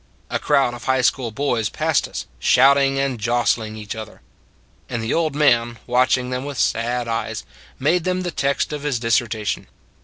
A crowd of high school boys passed us, shouting and jostling each other: and the old man, watching them with sad eyes, made them the text of his dissertation.